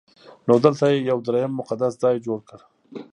نو دلته یې یو درېیم مقدس ځای جوړ کړ.